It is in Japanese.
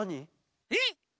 えっ。